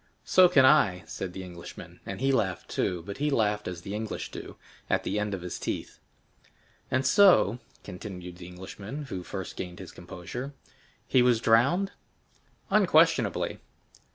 "So can I," said the Englishman, and he laughed too; but he laughed as the English do, "at the end of his teeth." "And so," continued the Englishman who first gained his composure, "he was drowned?" "Unquestionably."